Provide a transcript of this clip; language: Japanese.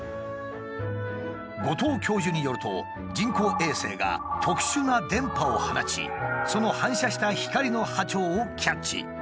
後藤教授によると人工衛星が特殊な電波を放ちその反射した光の波長をキャッチ。